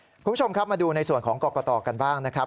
คุณผู้ชมครับมาดูในส่วนของกรกตกันบ้างนะครับ